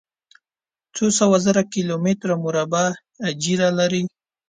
څو سوه زره کلومتره مربع اېجره لري.